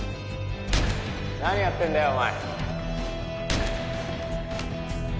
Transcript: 何やってんだよお前